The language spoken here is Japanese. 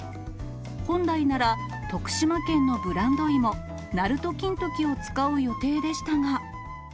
本来なら、徳島県のブランド芋、なると金時を使う予定でしたが。